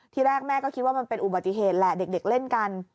ที่แรกแม่ก็คิดว่ามันเป็นอุบัติเหตุแหละเด็กเล่นกัน